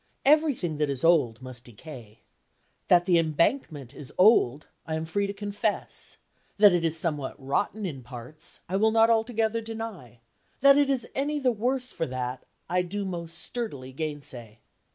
Everything that is old must decay. That the embankment is old, I am free to confess; that it is somewhat rotten in parts, I will not altogether deny; that it is any the worse for that, I do most sturdily gainsay.